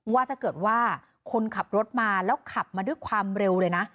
ว่าถ้าเกิดว่าคนขับรถมาแล้วขับมาด้วยความเร็วเลยนะ